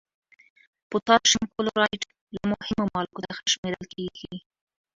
پوتاشیم کلورایډ له مهمو مالګو څخه شمیرل کیږي.